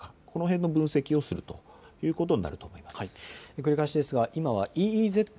この辺の分析をするということになると思います。